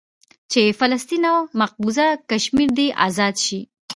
چې فلسطين او مقبوضه کشمير دې ازاد سي.